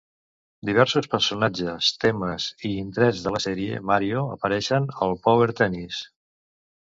Diversos personatges, temes i indrets de la sèrie 'Mario'apareixen al Power Tennis.